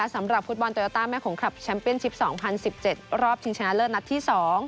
สำหรับฟุตบอลโตยาต้าแม่ขงคลับแชมเปียนชิป๒๐๑๗รอบชิงชนะเลิศนัดที่๒